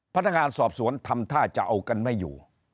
พนักงานสอบสวนทำท่าจะเอากันไม่อยู่